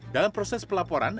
dalam proses pelaporan